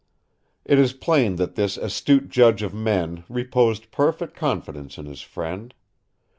It is plain that this astute judge of men reposed perfect confidence in his friend.